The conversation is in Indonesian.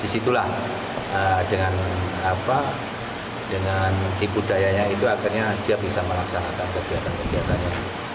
disitulah dengan tipu dayanya itu akhirnya dia bisa melaksanakan kegiatan kegiatannya